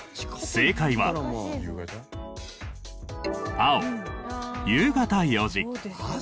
正解は青夕方４時。